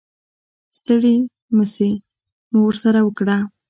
ستړې مسې مو ورسره وکړه.